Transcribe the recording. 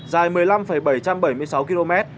dài một mươi năm bảy trăm bảy mươi sáu km